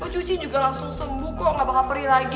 ibu cuci juga langsung sembuh kok nggak bakal perih lagi